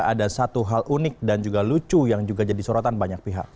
ada satu hal unik dan juga lucu yang juga jadi sorotan banyak pihak